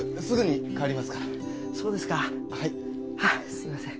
すみません。